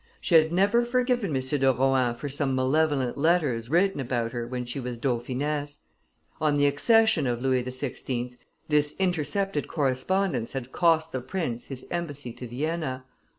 She had never forgiven M. de Rohan for some malevolent letters written about her when she was dauphiness. On the accession of Louis XVI. this intercepted correspondence had cost the prince his embassy to Vienna.